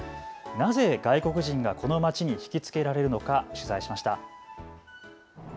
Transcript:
なぜ外国人がこの町に引きつけられるのか取材しました。